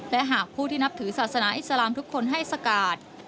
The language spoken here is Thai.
และหากผู้ที่นับถือศาสนาอิสลามทุกคนให้สกาด